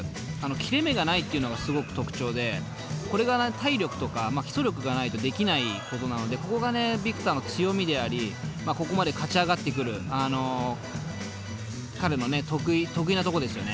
切れ目がないっていうのがすごく特徴でこれが体力とか基礎力がないとできないことなのでここがＶｉｃｔｏｒの強みでありここまで勝ち上がってくる彼の得意なとこですよね。